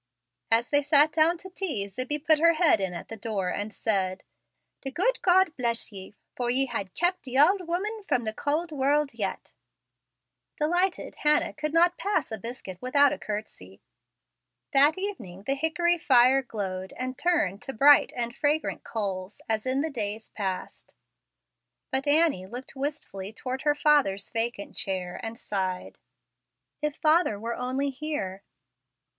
As they sat down to tea, Zibbie put her head in at the door, and said, "The gude God bless ye, for ye ha' kept the auld 'ooman fra the cauld wourld yet." Delighted Hannah could not pass a biscuit without a courtesy. That evening the hickory fire glowed and turned to bright and fragrant coals as in the days past, but Annie looked wistfully toward her father's vacant chair, and sighed, "If father were only here!"